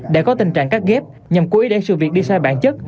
để có tình trạng cắt ghép nhằm cố ý để sự việc đi sai bản chất